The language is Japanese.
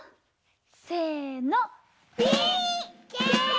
せの。